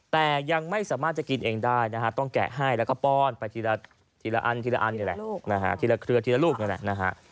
แต่ยังไม่สามารถจะกินเองได้ต้องแกะให้แล้วก็ป้อนไปทีละอันทีละเครือทีละลูกนั่นแหละ